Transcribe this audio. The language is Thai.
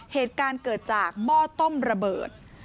เหตุการณ์เกิดจากหม้อต้มระเบิด